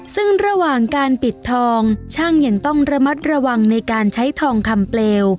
ซึ่งระหว่างการปิดทองช่างยังต้องระมัดระวังในการใช้ทองคำเปลว